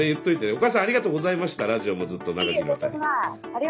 お母さんありがとうございましたラジオもずっと長きにわたり。